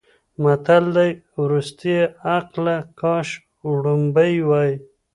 متل دی: ورستیه عقله کاش وړومبی وی.